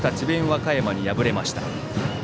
和歌山に敗れました。